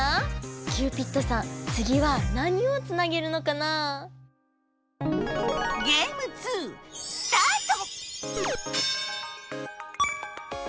キューピッドさんつぎは何をつなげるのかな？スタート！